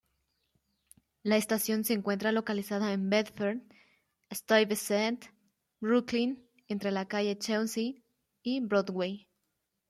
La estación se encuentra localizada en Bedford-Stuyvesant, Brooklyn entre la Calle Chauncey y Broadway.